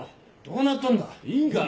どうなっとんだ？